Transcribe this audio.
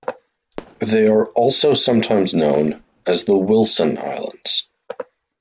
They are also sometimes known as the Wilson Islands.